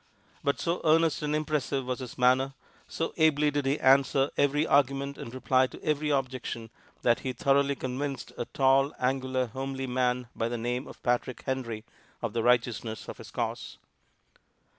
But so earnest and impressive was his manner, so ably did he answer every argument and reply to every objection, that he thoroughly convinced a tall, angular, homely man by the name of Patrick Henry of the righteousness of his cause.